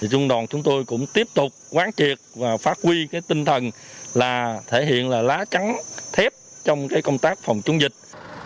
trung đoàn chúng tôi cũng tiếp tục quán triệt và phát huy tinh thần thể hiện lá trắng thép trong công tác phòng chống dịch